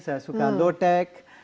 saya suka lotek